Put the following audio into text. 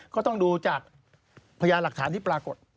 ก็ต้องดูจากพยานหลักฐานที่ปรากฏ